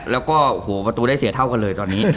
แล้วก็โอ้โหประตูได้เสียเท่ากันเลยตอนนี้